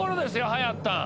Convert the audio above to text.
流行ったん。